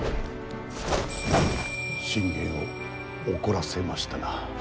信玄を怒らせましたな。